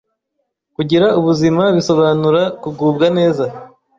Kugira ubuzima bisobanura kugubwa neza,